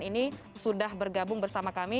ini sudah bergabung bersama kami